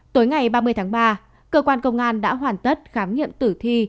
tối ngày ba mươi tháng ba cơ quan công an đã hoàn tất khám nghiệm tử thi